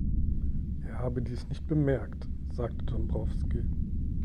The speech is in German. Er habe dies nicht bemerkt, sagte Dombrowski.